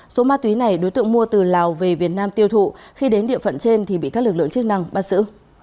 số ma túy này đối tượng mua từ lào về việt nam tiêu thụ khi đến địa phận trên thì bị các lực lượng chức năng bắt giữ